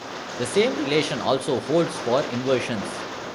The same relation also holds for inversions.